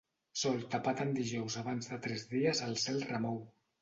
Sol tapat en dijous abans de tres dies el cel remou.